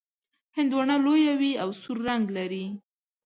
هندواڼه لویه وي او سور رنګ لري.